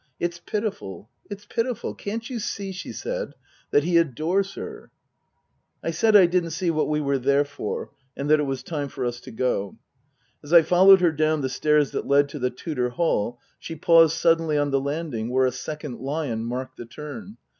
It's pitiful, it's pitiful. Can't you see," she said, " that he adores her ?" I said I didn't see what we were there for, and that it was time for us to go. As I followed her down the stairs that led to the Tudor hall she paused suddenly on the landing where a second lion marked the turn.